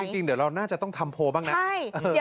จริงเดี๋ยวเราน่าจะต้องทำโพลบ้างนะ